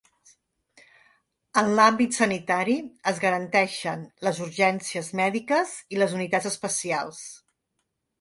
En l’àmbit sanitari es garanteixen les urgències mèdiques i les unitats especials.